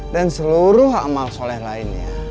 dan seluruh amal soleh lainnya